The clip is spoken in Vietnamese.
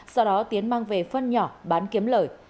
sau đó tiến mang về phân nhỏ bán kiếm lời